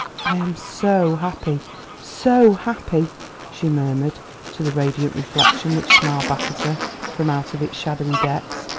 "I am so happy so happy!" she murmured to the radiant reflection which smiled back at her from out its shadowy depths.